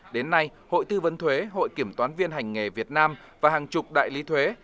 đến nay hội tư vấn thuế hội kiểm toán viên hành nghề việt nam và hàng chục đại lý thuế